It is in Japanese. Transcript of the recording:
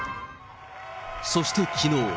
そしてきのう。